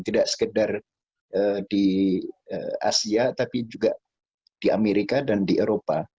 tidak sekedar di asia tapi juga di amerika dan di eropa